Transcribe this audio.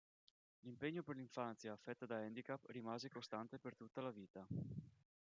L'impegno per l'infanzia affetta da handicap rimase costante per tutta la vita.